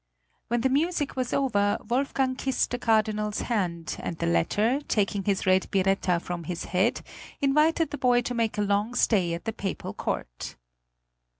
When the music was over Wolfgang kissed the Cardinal's hand, and the latter, taking his red biretta from his head, invited the boy to make a long stay at the Papal court.